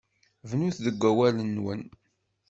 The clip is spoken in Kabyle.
Bnut deg wakal-nwen.